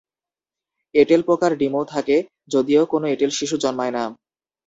এঁটেল পোকার ডিমও থাকে, যদিও কোনো এঁটেল শিশু জন্মায় না।